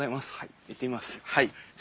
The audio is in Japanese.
行ってみます。